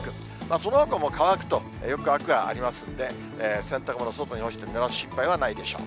そのほかも乾くとよく乾くがありますんで、洗濯物、外に干してもぬらす心配はないでしょう。